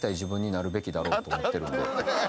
なるべきだろうと思ってるんで。